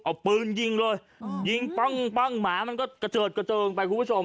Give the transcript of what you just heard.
เอาปืนยิงเลยยิงปั้งปั้งหมามันก็กระเจิดกระเจิงไปคุณผู้ชม